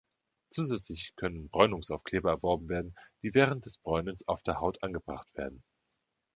Zusätzlich können "Bräunungsaufkleber" erworben werden, die während des Bräunens auf der Haut angebracht werden.